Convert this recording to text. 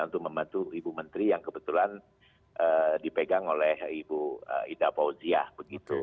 untuk membantu ibu menteri yang kebetulan dipegang oleh ibu ida fauziah begitu